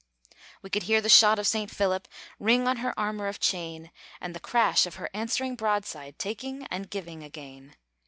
We could hear the shot of Saint Philip Ring on her armor of chain, And the crash of her answering broadside, Taking and giving again.